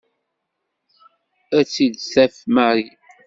Ad tt-id-taf Mary.